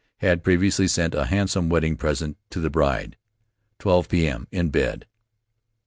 Had previously sent a handsome wedding present to the bride. 12 P.M.: In bed.